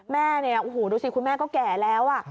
แม่เนี่ยโอ้โหดูสิคุณแม่ก็แก่แล้ว